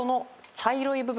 茶色い部分？